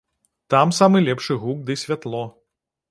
Там самы лепшы гук ды святло.